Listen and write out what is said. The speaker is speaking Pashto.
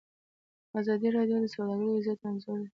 ازادي راډیو د سوداګري وضعیت انځور کړی.